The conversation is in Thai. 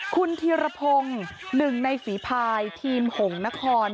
คุณธีรพงศ์หนึ่งในฝีภายทีมหงนคร